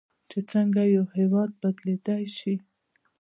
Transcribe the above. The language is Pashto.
چې څنګه یو هیواد بدلیدلی شي.